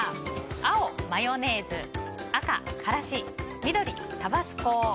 青、マヨネーズ赤、辛子緑、タバスコ。